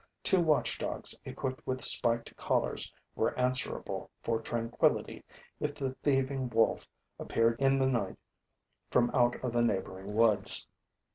Two watchdogs, equipped with spiked collars, were answerable for tranquillity if the thieving wolf appeared in the night from out the neighboring woods.